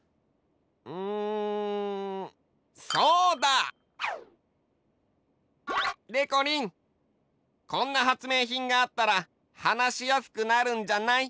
うんそうだ！でこりんこんな発明品があったら話しやすくなるんじゃない？